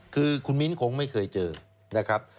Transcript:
คือคุณมิ้นคงไม่เคยเจอนะครับ